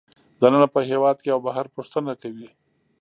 دننه په هېواد کې او بهر پوښتنه کوي